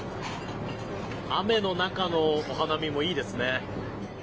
雨の中のお花見もいいですね。